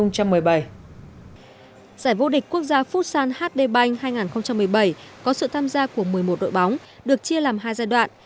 giải vô địch quốc gia phút sàn hd bank hai nghìn một mươi bảy có sự tham gia của một mươi một đội bóng được chia làm hai giai đoạn